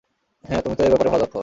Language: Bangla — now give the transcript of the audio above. হ্যাঁ, তুমিতো এ ব্যাপারে ভালো দক্ষ।